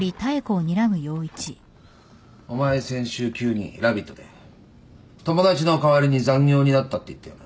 お前先週急にラビットで友達の代わりに残業になったって言ったよな。